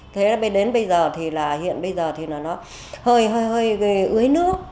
thế đến bây giờ thì là hiện bây giờ thì là nó hơi hơi hơi ưới nước